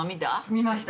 見ました。